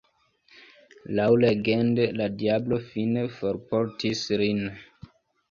Laŭlegende la diablo fine forportis lin.